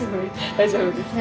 大丈夫ですか？